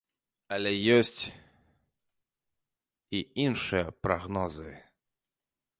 Але ёсць і іншыя прагнозы.